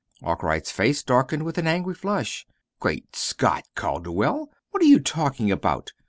Arkwright's face darkened with an angry flush. "Great Scott, Calderwell! What are you talking about?